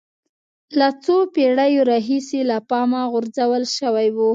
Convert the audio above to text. له څو پېړیو راهیسې له پامه غورځول شوی و